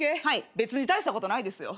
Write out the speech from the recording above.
別に大したことないですよ。